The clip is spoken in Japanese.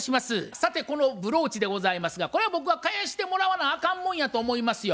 さてこのブローチでございますがこれは僕は返してもらわなあかんもんやと思いますよ。